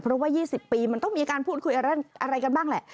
เพราะว่า๒๐ปีมันต้องมีการพูดคุยอะไรกันบ้างแหละ